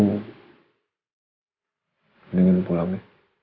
kedengin pulang ya